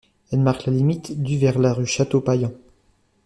Elle marque la limite du vers la rue Château-Payan.